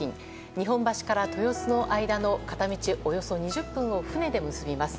日本橋から豊洲の間の片道およそ２０分を船で結びます。